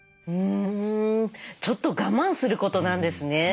ちょっと我慢することなんですね。